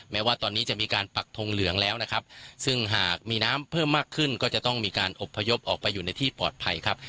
แม้ว่าตอนนี้จะมีการปักทงเหลืองแล้วนะครับซึ่งหากมีน้ำเพิ่มมากขึ้นก็จะต้องมีการอบพยพออกไปอยู่ในที่ปลอดภัยครับ